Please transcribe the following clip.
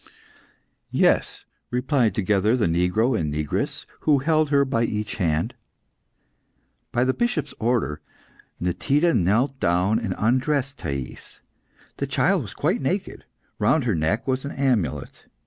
"Yes," replied together the negro and negress, who held her by each hand. By the Bishop's orders, Nitida knelt down and undressed Thais. The child was quite naked; round her neck was an amulet.